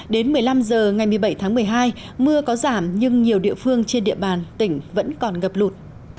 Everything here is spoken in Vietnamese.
đến một mươi năm h ngày một mươi bảy tháng một mươi hai mưa có giảm nhưng nhiều địa phương trên địa bàn tỉnh vẫn còn ngập lụt